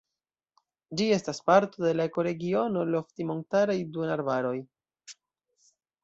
Ĝi estas parto de la ekoregiono lofti-montaraj duonarbaroj.